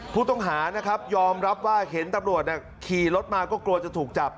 ผู้ต้องหานะครับยอมรับว่าเห็นตำรวจขี่รถมาก็กลัวจะถูกจับ